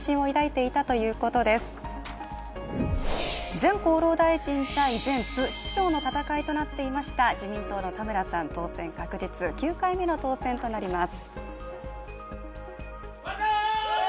前厚労大臣対前津市長の対戦となっていました自民党の田村さん、当選確実９回目の当選となります。